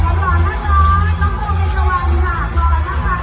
เมยาีสวัสดิ์โบราณอาจารย์